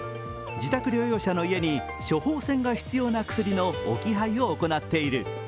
自宅療養者の家に処方箋が必要な薬の置き配を行っている。